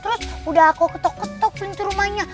terus udah aku ketok ketok suntu rumahnya